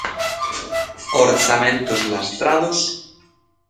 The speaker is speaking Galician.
Orzamentos lastrados